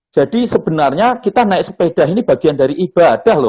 jadi sebenarnya kita naik sepeda ini bagian dari ibadah loh